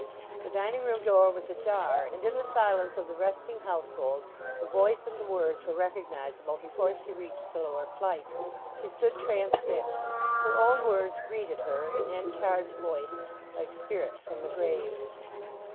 The dining room door was ajar, and in the silence of the resting household the voice and the words were recognizable before she reached the lower flight. She stood transfixed. Her own words greeted her in Henchard's voice, like spirits from the grave.